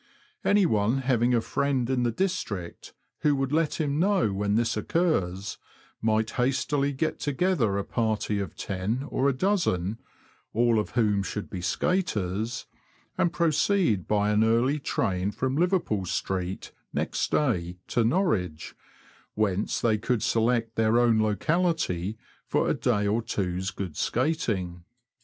Anyone having a friend in the district, who would let him know when this occurs, might hastily get together a party of ten or a dozen (all of whom should be skaters), and proceed by an early train from Liverpool Street, next day, to Nor wich, whence they could select their own locality for a day or two's good skating.